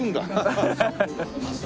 ハハハハ。